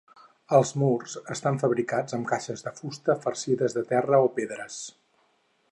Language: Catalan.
Els murs estan fabricats amb caixes de fusta farcides de terra o pedres.